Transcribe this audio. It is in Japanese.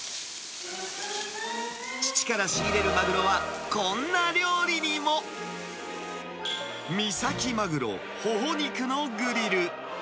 父から仕入れるマグロは、こんな料理にも。三崎まぐろホホ肉のグリル。